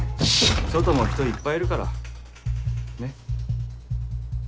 外も人いっぱいいるからねっ。